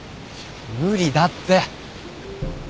無理だって。